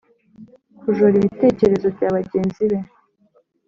Kujora ibitekerezo bya bagenzi be.